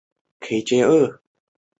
福州名医。